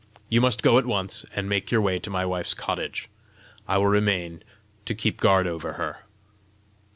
You must go at once, and make your way to my wife's cottage. I will remain to keep guard over her."